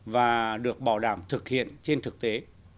và được bảo đảm thực hiện trên thực tế